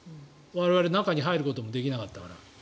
我々中に入ることもできなかったから。